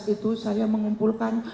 itu saya mengumpulkan